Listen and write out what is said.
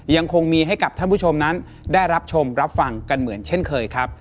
ยังคงมีให้กับท่านผู้ชมนั้นได้รับชมรับฟังกันเหมือนเช่นเคยครับ